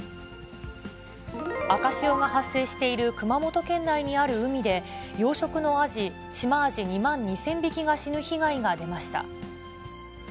赤潮が発生している熊本県内にある海で、養殖のアジ、シマアジ２万２０００匹が死ぬ被害が出ました。